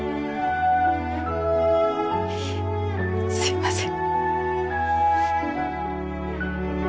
すいません。